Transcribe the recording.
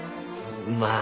まあ。